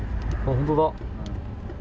本当だ。